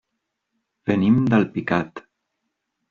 Venim d'Alpicat.